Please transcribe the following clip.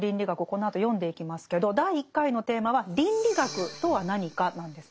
このあと読んでいきますけど第１回のテーマは「倫理学とは何か」なんですね。